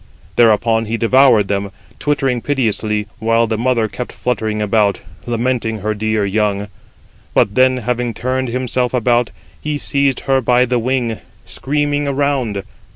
Thereupon he devoured them, twittering piteously, while the mother kept fluttering about, lamenting her dear young; but then, having turned himself about, he seized her by the wing, screaming around.